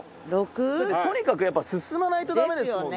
とにかくやっぱ進まないとダメですもん。